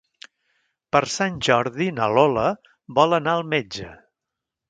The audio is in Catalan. Per Sant Jordi na Lola vol anar al metge.